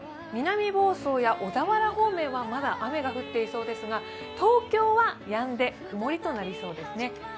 南房総や小田原方面はまだ雨が降っていそうですが、東京はやんで、曇りとなりそうですね。